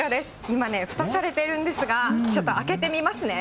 今ね、ふたされてるんですが、ちょっと開けてみますね。